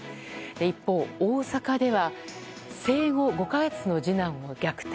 一方、大阪では生後５か月の次男を虐待。